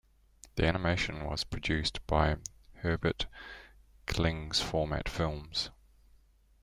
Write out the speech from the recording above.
The animation was produced by Herbert Klynn's Format Films.